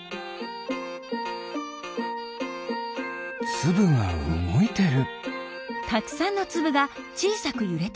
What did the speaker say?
つぶがうごいてる！